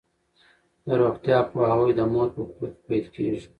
د روغتیا پوهاوی د مور په کور کې پیل کیږي.